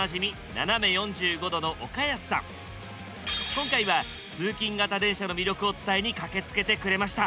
今回は通勤形電車の魅力を伝えに駆けつけてくれました。